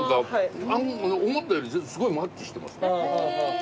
思ったよりすごいマッチしてます。